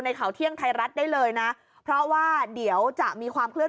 ข่าวเที่ยงไทยรัฐได้เลยนะเพราะว่าเดี๋ยวจะมีความเคลื่อ